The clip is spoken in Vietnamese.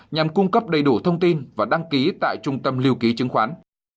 nhằm cung cấp đầy đủ thông tin và đăng ký tại trung tâm lưu ký chứng khoán